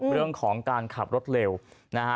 เรื่องของการขับรถเร็วนะฮะ